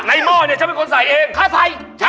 มีความรู้สึกว่า